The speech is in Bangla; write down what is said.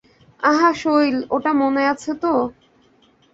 আহা শৈল, ওটা মনে আছে তো?